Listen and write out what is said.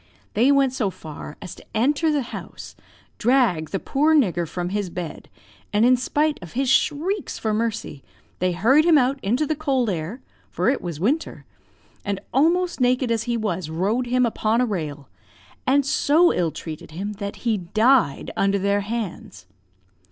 They went so far as to enter the house, drag the poor nigger from his bed, and in spite of his shrieks for mercy, they hurried him out into the cold air for it was winter and almost naked as he was, rode him upon a rail, and so ill treated him that he died under their hands.